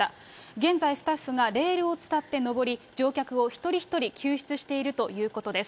現在、スタッフがレールを伝って上り、乗客を一人一人救出しているということです。